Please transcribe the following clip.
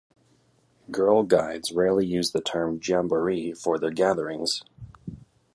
Girl Guides rarely use the term jamboree for their gatherings.